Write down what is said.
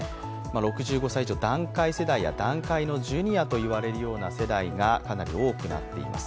６５歳以上、団塊世代や団塊ジュニアと言われる世代がかなり多くなっています。